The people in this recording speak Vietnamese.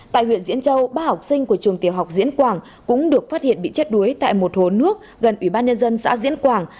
tại huyện diễn châu ba học sinh của trường tiểu học diễn quảng cũng được phát hiện bị chết đuối tại một hồ nước gần ủy ban nhân dân xã diễn quảng